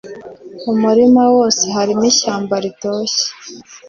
Umurima wose harimo ishyamba ritoshye.